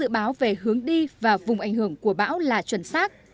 báo về hướng đi và vùng ảnh hưởng của bão là chuẩn xác